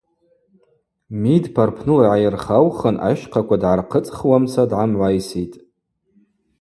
Мидпа рпныла йгӏайырхаухын ащхъаква дгӏархъыцӏхуамца дгӏамгӏвайситӏ.